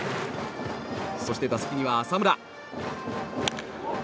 そして打席には浅村。